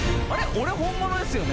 俺本物ですよね？